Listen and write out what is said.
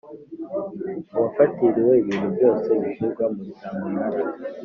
uwafatiriwe ibintu byose bishyirwa mu cyamunara